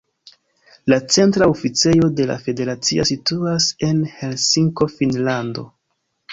La centra oficejo de la federacio situas en Helsinko, Finnlando.